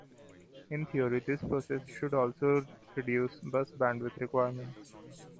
In theory this process should also reduce bus bandwidth requirements.